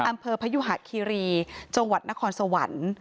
พยุหะคีรีจังหวัดนครสวรรค์